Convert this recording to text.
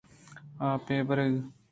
آپ ءِ برگ